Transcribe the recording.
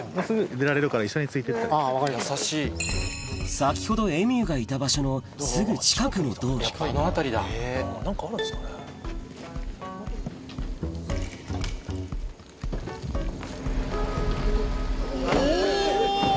先ほどエミューがいた場所のすぐ近くの道路おぉ！